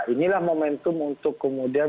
inilah momentum untuk kemudian